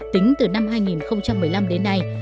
tính từ năm hai nghìn một mươi năm đến nay